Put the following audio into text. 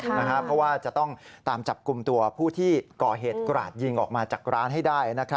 เพราะว่าจะต้องตามจับกลุ่มตัวผู้ที่ก่อเหตุกราดยิงออกมาจากร้านให้ได้